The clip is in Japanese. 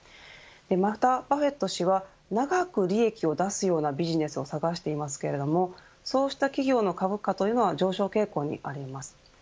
また、バフェット氏は長く利益を出すようなビジネスを探していますけれどもそうした企業の株価というのは上昇傾向にあります